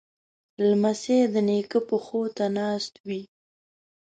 لمسی د نیکه پښو ته ناست وي.